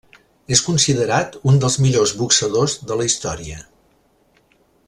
És considerat un dels millors boxadors de la història.